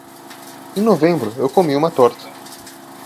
Em novembro, eu comi uma torta.